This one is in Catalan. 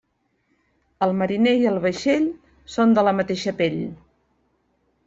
El mariner i el vaixell són de la mateixa pell.